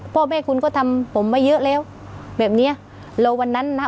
พ่อแม่คุณก็ทำผมมาเยอะแล้วแบบเนี้ยแล้ววันนั้นนะ